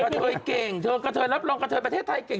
เธอเก่งเธอกระเทยรับรองกระเทยประเทศไทยเก่ง